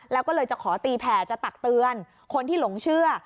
แล้วก็เลยจะขอตีแผ่จะตักเตือนคนที่หลงเชื่อ